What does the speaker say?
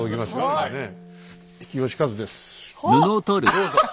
どうぞ。